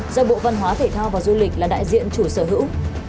do bộ văn hóa thể thao và du lịch là đại diện chủ sở hữu